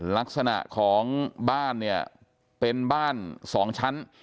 ลักษณะของบ้านเนี่ยเป็นบ้าน๒ชั้น